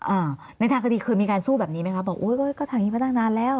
อ่าในทางคดีคือมีการสู้แบบนี้ไหมคะบอกอุ๊ยก็ทำงี้มานานแล้ว